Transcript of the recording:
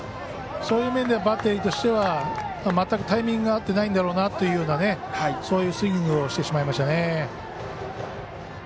そういう面ではバッテリーとしては全くタイミングが合ってないんだろうなというそういうスイングをしてしまいましたね。